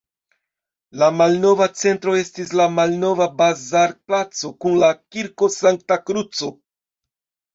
La malnova centro estis la Malnova bazarplaco kun la Kirko Sankta Kruco.